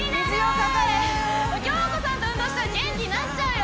かかれ京子さんと運動したら元気になっちゃうよ